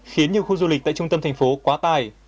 khiến nhiều khu du lịch tại trung tâm thành phố quá tài